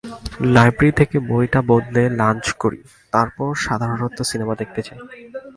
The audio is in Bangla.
লাইব্রেরি থেকে বইটা বদলে লাঞ্চ করি, তারপর সাধারণত সিনেমা দেখতে যাই।